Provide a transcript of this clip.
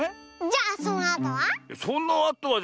じゃあそのあとは？